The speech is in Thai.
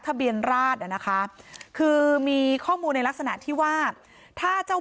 ทะเบียนราชอ่ะนะคะคือมีข้อมูลในลักษณะที่ว่าถ้าเจ้า